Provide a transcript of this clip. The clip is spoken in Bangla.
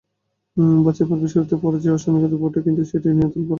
বাছাইপর্বের শুরুতেই পরাজয় অশনিসংকেত বটে, কিন্তু সেটি নিয়ে তোলপাড় হওয়ার কিছু নেই।